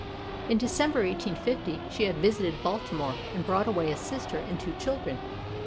In December, 1850, she had visited Balti more and brought away a sister and two children.